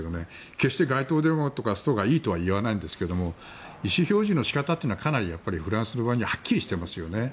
決して街頭デモとかストがいいとは言わないんですが意思表示の仕方というのはかなりフランスの場合にははっきりしていますよね。